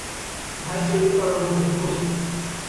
ভাই, সইতে পারলুম না, কী করি!